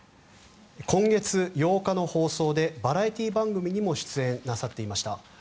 今月８日の放送でバラエティー番組にも出演なさっていました。